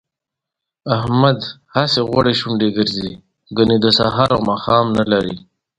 احمد هسې غوړې شونډې ګرځي، ګني د سهار او ماښام نه لري